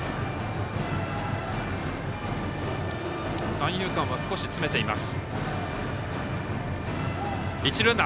三遊間は少し詰めています。